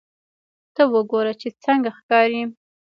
ته وګوره چې څنګه ښکاري